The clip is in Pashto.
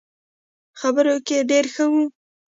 خبرو کې ډېر ښه وو.